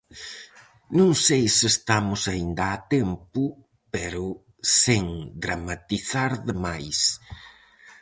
Non sei se estamos aínda a tempo, pero sen dramatizar de máis.